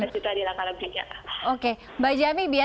saya sendiri kampus unikal